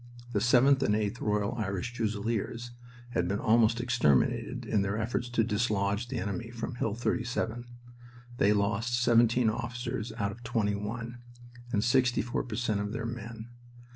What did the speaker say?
The 7th and 8th Royal Irish Fusiliers had been almost exterminated in their efforts to dislodge the enemy from Hill 37. They lost seventeen officers out of twenty one, and 64 per cent of their men.